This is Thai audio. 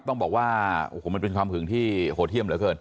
ต้องบอกว่าโอ้โหมันเป็นความหึงที่โหดเยี่ยมเหลือเกิน